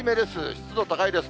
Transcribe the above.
湿度高いです。